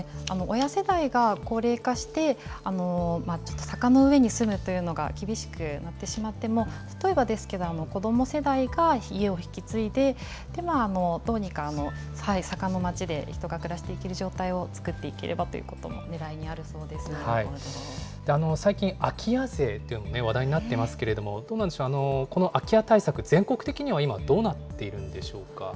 親世代が高齢化して、坂の上に住むというのが厳しくなってしまっても、例えばですけれども、子ども世代が家を引き継いで、でも、どうにか坂の町で人が暮らしていける状態を作っていければという最近、空き家税というのが話題になってますけれども、どうなんでしょう、この空き家対策、全国的には今、どうなっているんでしょうか。